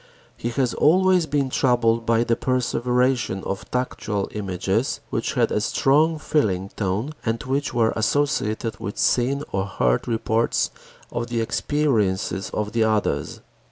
He has always been troubled by the "perseveration" of tactual images which had a strong feeling tone and which were associated with seen or heard reports of the experiences of others.